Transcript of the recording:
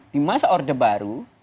di masa orde baru